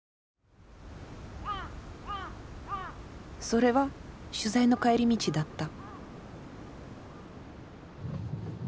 それは取材の帰り道だった。